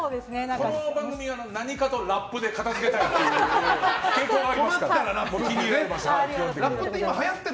この番組は何かとラップで片づけたがる傾向がありますから。